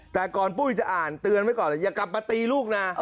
แต่ก่อนปุ้ยจะอ่านเตือนไว้ก่อนเลยอย่ากลับมาตีลูกนะ